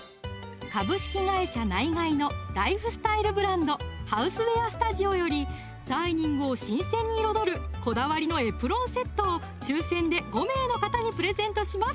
ナイガイのライフスタイルブランド「ＨＯＵＳＥＷＥＡＲＳＴＵＤＩＯ」よりダイニングを新鮮に彩るこだわりのエプロンセットを抽選で５名の方にプレゼントします